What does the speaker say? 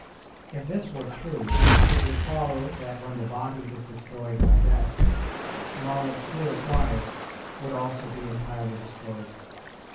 If this were true, it would follow that when the body is destroyed by death, knowledge here acquired would also be entirely destroyed.